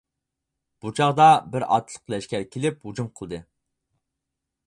بۇ چاغدا بىر ئاتلىق لەشكەر كېلىپ ھۇجۇم قىلدى.